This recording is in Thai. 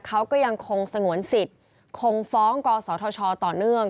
เขาก็ยังคงสงวนสิทธิ์คงฟ้องกศธชต่อเนื่อง